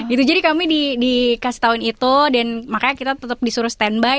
itu jadi kami dikasih tahu itu dan makanya kita tetap disuruh standby